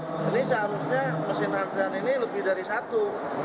ini seharusnya mesin antrian ini lebih dari satu